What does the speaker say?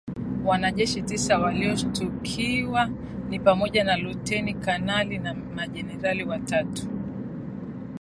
Wanajeshi tisa walioshtakiwa ni pamoja na lutein kanali na mameneja watatu